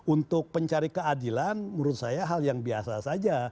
untuk pencari keadilan menurut saya hal yang biasa saja